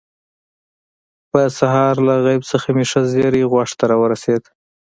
په سهار له غیب څخه مې ښه زیری غوږ ته راورسېد.